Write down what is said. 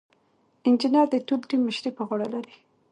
انجینر د ټول ټیم مشري په غاړه لري.